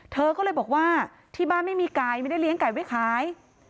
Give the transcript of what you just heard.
เธอก็เลยบอกว่าที่บ้านไม่มีไก่ไม่ได้เลี้ยงไก่ไว้ขาย